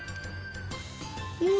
うん！